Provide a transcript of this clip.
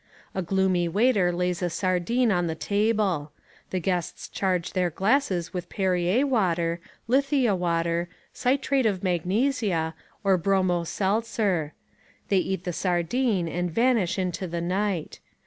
A gloomy waiter lays a sardine on the table. The guests charge their glasses with Perrier Water, Lithia Water, Citrate of Magnesia, or Bromo Seltzer. They eat the sardine and vanish into the night.